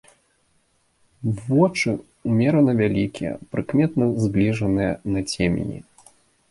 Вочы ўмерана вялікія, прыкметна збліжаныя на цемені.